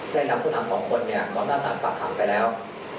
ได้รับขุนขัง๒คนเนี่ยก็องรักษาภาตามไปแล้ว